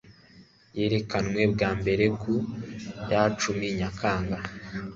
yerekanwe bwa mbere ku ya cumi Nyakanga